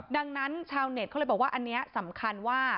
ดังนั้นชาวเน็ตเขาเลยบอกว่าอันนี้สำคัญว่า